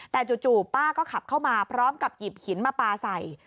แต่จู่ป้าก็ขับเข้ามาพร้อมกับหยิบหินมาปลาใส่